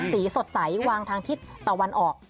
สีสดใสวางทางทิศตะวันออก